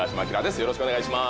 よろしくお願いします。